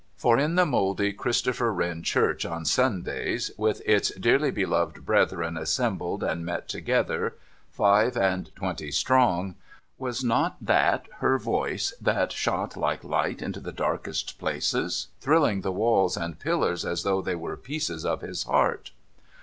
For, in the mouldy Christopher Wren church on Sundays, with its dearly beloved brethren assembled and met together, five and twenty strong, was not that Her voice that shot like light into the darkest places, thrilling the walls and pillars as though they were pieces of his heart